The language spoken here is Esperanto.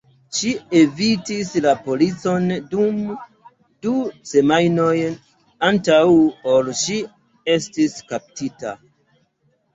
Ŝi evitis la policon dum du semajnoj antaŭ ol ŝi estis kaptita.